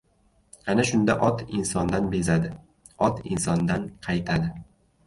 Ana shunda ot insondan bezadi. Ot insondan qaytadi!